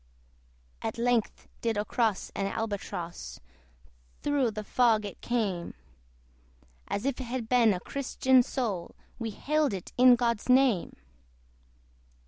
At length did cross an Albatross: Thorough the fog it came; As if it had been a Christian soul, We hailed it in God's name.